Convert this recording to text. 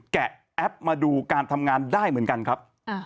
แกะแอปมาดูการทำงานได้เหมือนกันครับ